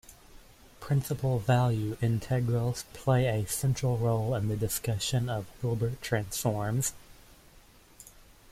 Principal value integrals play a central role in the discussion of Hilbert transforms.